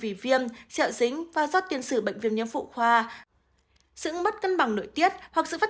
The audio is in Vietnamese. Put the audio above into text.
vì viêm sẹo dính và do tiền sử bệnh viêm nhiễm phụ khoa sự mất cân bằng nội tiết hoặc sự phát